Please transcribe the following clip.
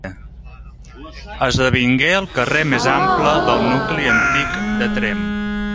Esdevingué el carrer més ample del nucli antic de Tremp.